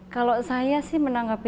kalau saya sih menanggapnya